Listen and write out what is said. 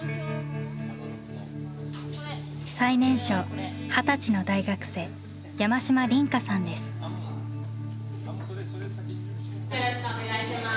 最年少二十歳の大学生よろしくお願いします。